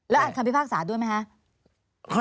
อ่านคำพิพากษาด้วยไหมคะ